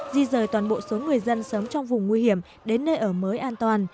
di rời toàn bộ số người dân sống trong vùng nguy hiểm đến nơi ở mới an toàn